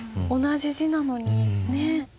同じ字なのにね。